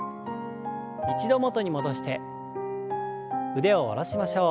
一度元に戻して腕を下ろしましょう。